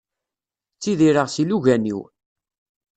Ttidireɣ s yilugan-iw.